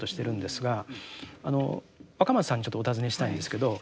若松さんにちょっとお尋ねしたいんですけど。